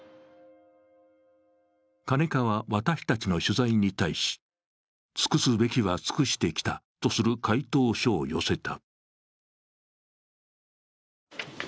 カネカは、私たちの取材に対し、尽くすべきは尽くしてきたとする回答書を寄せた。